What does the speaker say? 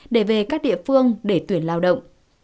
để về các địa phương để tuyển lao động